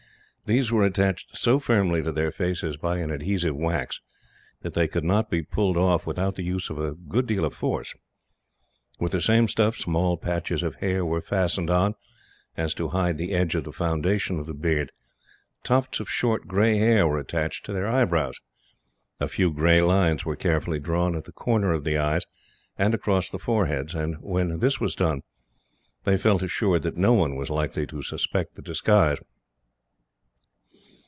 These were attached so firmly to their faces, by an adhesive wax, that they could not be pulled off without the use of a good deal of force. With the same stuff, small patches of hair were fastened on, so as to hide the edge of the foundation of the beard. Tufts of short grey hair were attached to their eyebrows; a few grey lines were carefully drawn at the corner of the eyes, and across the foreheads; and when this was done, they felt assured that no one was likely to suspect the disguise.